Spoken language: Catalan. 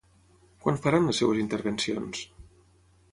Quan faran les seves intervencions?